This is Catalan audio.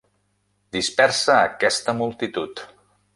Dispersa aquesta multitud!